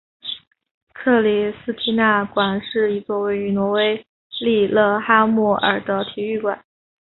克里斯蒂娜馆是一座位于挪威利勒哈默尔的体育馆。